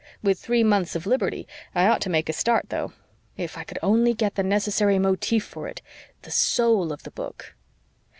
With three months of liberty I ought to make a start, though if I could only get the necessary motif for it the SOUL of the book."